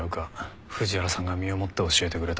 藤原さんが身をもって教えてくれた。